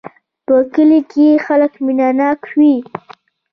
په کلي کې خلک مینه ناک وی